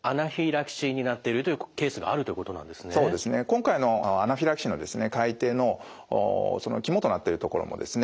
今回のアナフィラキシーの改訂の肝となってるところもですね